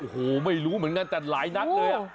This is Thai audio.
โอ้โหไม่รู้เหมือนกันแต่หลายนัดเลย